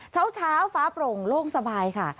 เช้าฟ้าโปร่งโล่งสบายค่ะ